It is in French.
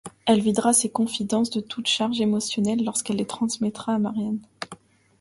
Elle videra ces confidences de toute charge émotionnelle lorsqu'elle les transmettra à Marianne.